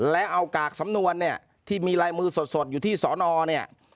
แล้วเอากากสำนวนเนี่ยที่มีลายมือสดอยู่ที่สอนอเนี่ย